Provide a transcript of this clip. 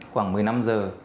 khoảng một mươi năm giờ